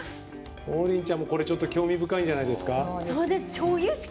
王林ちゃんもこれ興味深いんじゃないですか？